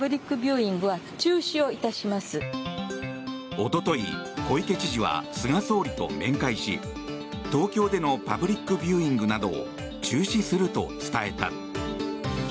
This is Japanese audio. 一昨日、小池知事は菅総理と面会し東京でのパブリックビューイングなどを中止すると伝えた。